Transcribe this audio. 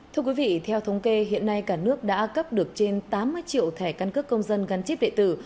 thưa quý vị theo thống kê hiện nay cả nước đã cấp được trên tám mươi triệu thẻ căn cước công dân gắn chip đệ tử